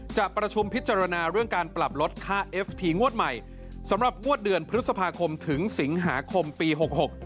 จะประชุมพิจารณาเรื่องการปรับลดค่าเอฟทีงวดใหม่สำหรับงวดเดือนพฤษภาคมถึงสิงหาคมปีหกหก